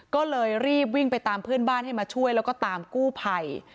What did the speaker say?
ก็เลยรีบวิ่งไปตามเพื่อนบ้านให้มาช่วยแล้วก็ตามกู้ภัย